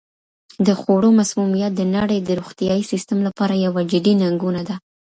د خوړو مسمومیت د نړۍ د روغتیايي سیستم لپاره یوه جدي ننګونه ده.